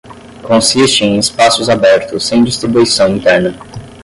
Consiste em espaços abertos sem distribuição interna.